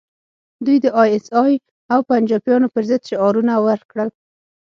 دوی د ای ایس ای او پنجابیانو پر ضد شعارونه ورکړل